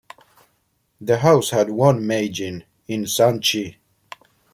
The house had one Meijin, in Sanchi.